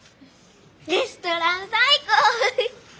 レストラン最高！